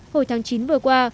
hồi tháng chín vừa qua